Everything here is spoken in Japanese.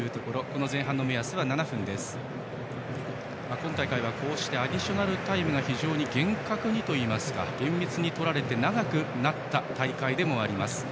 今大会はアディショナルタイムが非常に厳格にといいますか厳密にとられて長くなった大会でもあります。